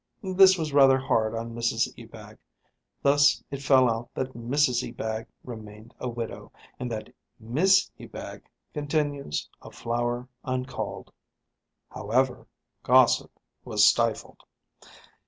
This was rather hard on Mrs Ebag. Thus it fell out that Mrs Ebag remained a widow, and that Miss Ebag continues a flower uncalled. However, gossip was stifled.